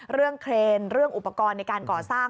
เครนเรื่องอุปกรณ์ในการก่อสร้าง